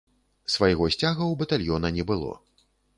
Свайго сцяга ў батальёна не было.